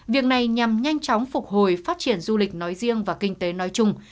việc này nhằm nhanh chóng phục hồi phát triển du lịch nói riêng và kinh tế nói chung